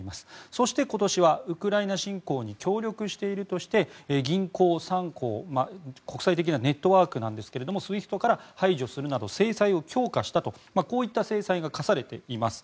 そして今年はウクライナ侵攻に協力しているとして銀行３行国際的なネットワークなんですがＳＷＩＦＴから排除するなど制裁を強化したとこういった制裁が科されています。